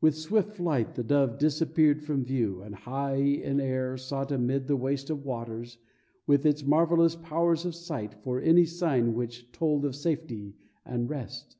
With swift flight the dove disappeared from view, and, high in air, sought amid the waste of waters, with its marvelous powers of sight, for any sign which told of safety and rest.